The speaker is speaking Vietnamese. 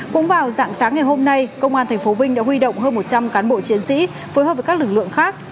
cũng vào dạng sáng ngày hôm nay công an tp vinh đã huy động hơn một trăm linh cán bộ chiến sĩ phối hợp với các lực lượng khác